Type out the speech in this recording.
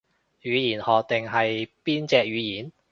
語言學定係邊隻語言